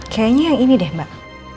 kayaknya yang ini deh mbak